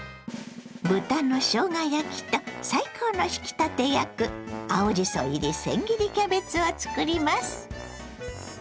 豚のしょうが焼きと最高の引き立て役青じそ入りせん切りキャベツを作ります。